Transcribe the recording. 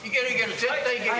絶対行ける。